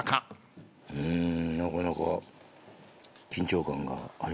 うーんなかなか緊張感がありますね。